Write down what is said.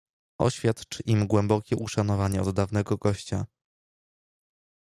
"Oświadcz im głębokie uszanowanie od dawnego gościa."